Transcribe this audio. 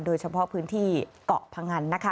โดยเฉพาะพื้นที่เกาะพงันนะคะ